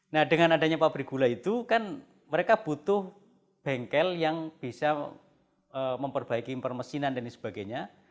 nah dengan adanya pabrik gula itu kan mereka butuh bengkel yang bisa memperbaiki informasi